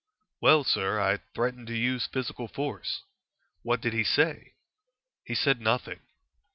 "Well, sir, I threatened to use physical force." "What did he say?" "He said nothing."